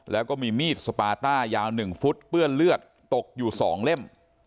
แล้วก็มีมีดสปาต้ายาว๑ฟุตเปื้อนเลือดตกอยู่๒เล่ม